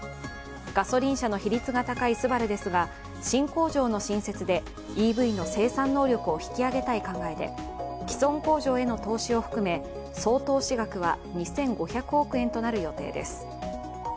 ガソリン車の比率が高いＳＵＢＡＲＵですが、新工場の新設でＥＶの生産能力を引き上げたい考えで既存工場への投資を含め、総投資額は２５００億円となる予定です。